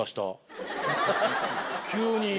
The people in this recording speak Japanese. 急に。